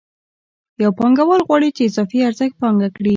یو پانګوال غواړي چې اضافي ارزښت پانګه کړي